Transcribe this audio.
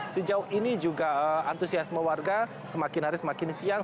sejauh ini juga antusiasme warga semakin hari semakin siang